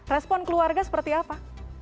respon keluarga seperti apa